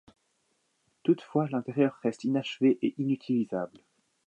Toutefois, l'intérieur reste inachevé et inutilisable.